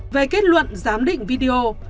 về kết luận giám định video